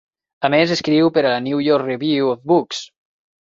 A més, escriu per a la 'New York Review of Books'.